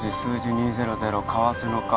２００かわせのか